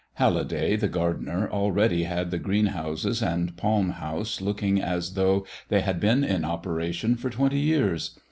Halliday, the gardener, already had the green houses and the palm house looking as though they had been in operation for twenty years.